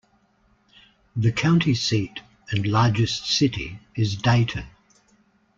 The county seat and largest city is Dayton.